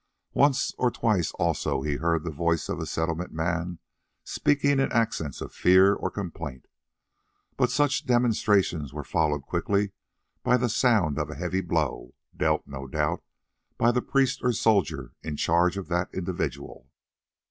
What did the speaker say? Once or twice also he heard the voice of a Settlement man speaking in accents of fear or complaint, but such demonstrations were followed quickly by the sound of a heavy blow, dealt, no doubt, by the priest or soldier in charge of that individual.